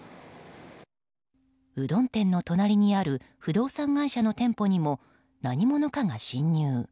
うどん店の隣にある不動産会社の店舗にも何者かが侵入。